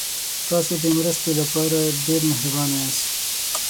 تاسو د مرستې لپاره ډېر مهربانه یاست.